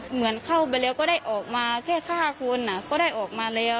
เหมือนเข้าไปแล้วก็ได้ออกมาแค่๕คนก็ได้ออกมาแล้ว